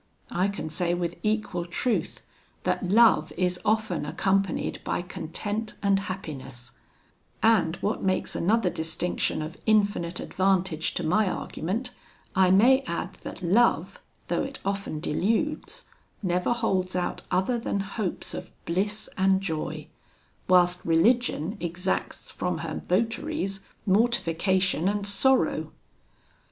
I can say with equal truth, that love is often accompanied by content and happiness; and what makes another distinction of infinite advantage to my argument, I may add that love, though it often deludes, never holds out other than hopes of bliss and joy, whilst religion exacts from her votaries mortification and sorrow.